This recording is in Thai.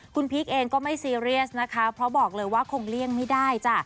คุณพีคเองก็ไม่ซีเรียสนะคะเพราะบอกเลยว่าคงเลี่ยงไม่ได้จ้ะ